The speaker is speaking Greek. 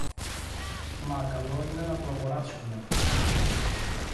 Μα καλό είναι να του αγοράσω μια